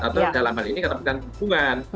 atau dalam hal ini ketentuan hubungan